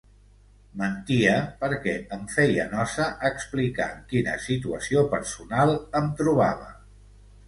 Mentia perquè em feia nosa explicar en quina situació personal em trobava.